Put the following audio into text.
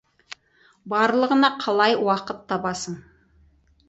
Барлығына қалай уақыт табасың?